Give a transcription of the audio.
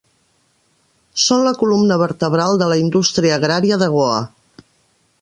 Són la columna vertebral de la indústria agrària de Goa.